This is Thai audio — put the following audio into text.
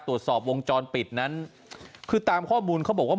ตรวจสอบวงจรปิดนั้นคือตามข้อมูลเขาบอกว่า